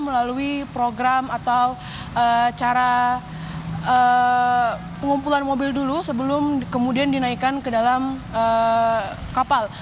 melalui program atau cara pengumpulan mobil dulu sebelum kemudian dinaikkan ke dalam kapal